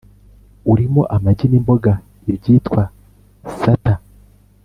Urimo amagi n imboga ibyitwa satay